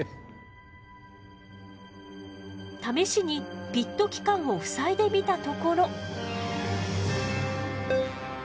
試しにピット器官をふさいでみたところ。